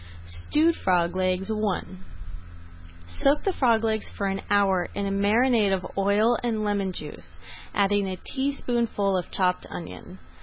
STEWED FROG LEGS I Soak the frog legs for an hour in a marinade of oil and lemon juice, adding a teaspoonful of chopped onion.